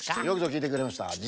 よくぞきいてくれました。